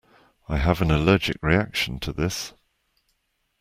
I have an allergic reaction to this.